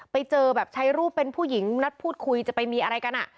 ไปเจอแบบใช้รูปเป็นผู้หญิงนัดพูดคุยจะไปมีอะไรกันอ่ะ